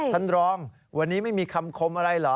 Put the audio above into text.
ท่านรองวันนี้ไม่มีคำคมอะไรเหรอ